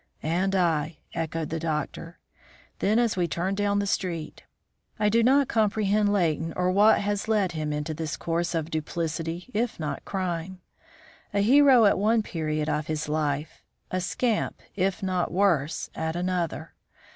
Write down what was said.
"And I," echoed the doctor; then as we turned down the street; "I do not comprehend Leighton or what has led him into this course of duplicity if not crime. A hero at one period of his life; a scamp, if not worse, at another!